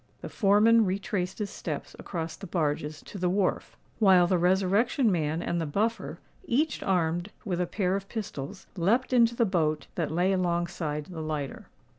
The foreman retraced his steps across the barges to the wharf; while the Resurrection Man and the Buffer, each armed with a pair of pistols, leapt into the boat, that lay alongside the lighter.